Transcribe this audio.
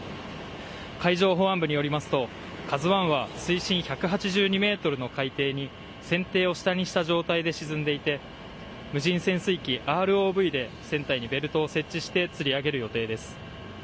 海上保安部によりますと「ＫＡＺＵ１」は水深１８２ｍの海底に船底を下にした状態で沈んでいて無人潜水機・ＲＯＶで船体にベルトを設置してつり上げる予定です。